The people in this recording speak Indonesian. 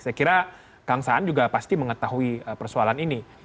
saya kira kang saan juga pasti mengetahui persoalan ini